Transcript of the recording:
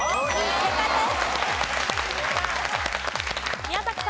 正解です。